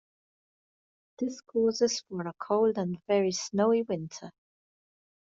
This causes for a cold and very snowy winter.